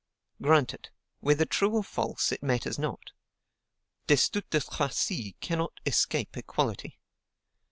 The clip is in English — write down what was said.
Grant it; whether true or false, it matters not. Destutt de Tracy cannot escape equality.